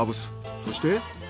そして。